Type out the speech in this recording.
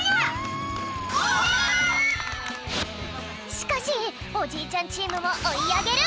しかしおじいちゃんチームもおいあげる！